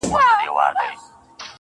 پرېښودلای خو يې نسم,